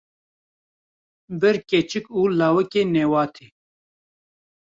Bir keçik û lawikê newatê